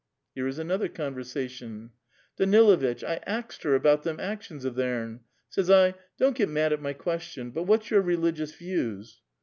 » Here is another conversation :— "Daniluitch, I axed her about them actions of theim. Says I, ' Don't git mad at my question ; but what's your religious views.'